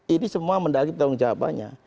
ini semua mendagri pertanggung jawabannya